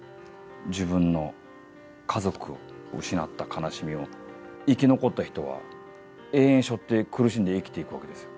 自分の家族を失った悲しみを、生き残った人は、永遠しょって苦しんで生きていくわけですよ。